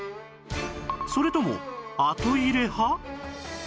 それとも後入れ派？